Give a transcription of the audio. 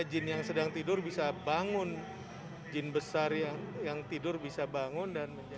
jin yang sedang tidur bisa bangun jin besar yang tidur bisa bangun dan